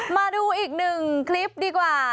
มาดูอีกหนึ่งคลิปดีกว่า